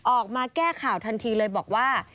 ออกมาแก้ข่าวทันทีเลยบอกว่า